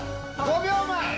５秒前！